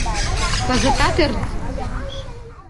Кызытат ӧрдыж лу пеҥеш.